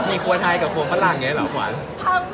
อเรนนี่ว่าที่เต็มประกาศเหมือนกันนะครับ